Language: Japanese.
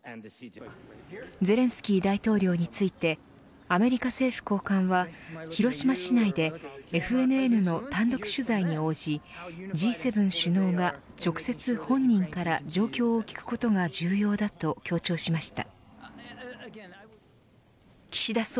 ゼレンスキー大統領についてアメリカ政府高官は広島市内でＦＮＮの単独取材に応じＧ７首脳が直接本人から状況を聞くことが重要だと強調しました。